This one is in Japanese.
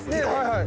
はい。